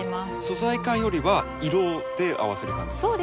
素材感よりは色で合わせる感じですか？